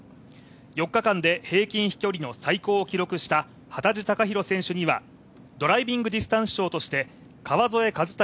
４日間で平均飛距離の最高を記録した幡地隆寛選手にはドライビングディスタンス賞として川添和尊